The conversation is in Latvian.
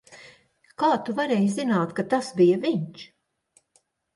Kā tu varēji zināt, ka tas bija viņš?